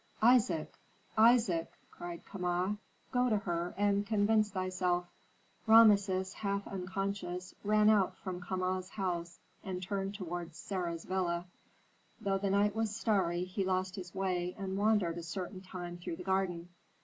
"Isaac Isaac!" cried Kama. "Go to her, and convince thyself." Rameses, half unconscious, ran out from Kama's house and turned toward Sarah's villa. Though the night was starry, he lost his way and wandered a certain time through the garden.